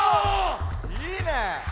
いいね。